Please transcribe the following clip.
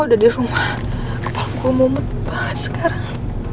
oh udah di rumah kepala gue mumut banget sekarang